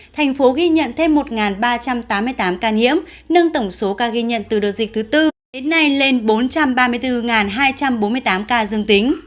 thành phố ghi nhận thêm một ba trăm tám mươi tám ca nhiễm nâng tổng số ca ghi nhận từ đợt dịch thứ tư đến nay lên bốn trăm ba mươi bốn hai trăm bốn mươi tám ca dương tính